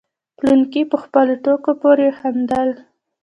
فلانکي په خپلې ټوکې پورې خندل.